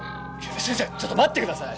先生ちょっと待ってください！